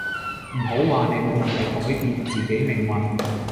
唔好話你冇能力改變自己命運